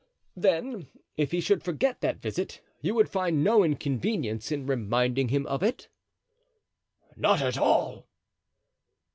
"Then, if he should forget that visit, you would find no inconvenience in reminding him of it?" "Not at all."